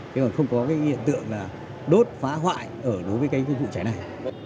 chứ còn không có cái hiện tượng là đốt phá hoại ở đối với cái vụ cháy này